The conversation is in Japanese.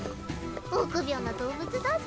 臆病な動物だぜ。